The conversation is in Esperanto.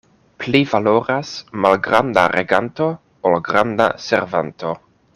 Pli valoras malgranda reganto, ol granda servanto.